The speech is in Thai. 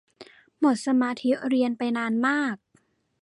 หมดสมาธิเรียนไปนานมาก